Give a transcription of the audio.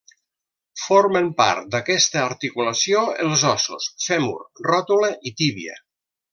Formen part d'aquesta articulació els ossos: fèmur, ròtula i tíbia.